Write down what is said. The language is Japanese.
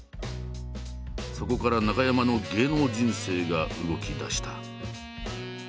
そこから中山の芸能人生が動きだした。